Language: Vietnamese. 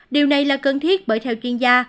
điều này là cần thiết bởi theo chuyên gia